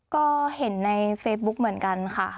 ก็เห็นในเฟซบุ๊กเหมือนกันค่ะ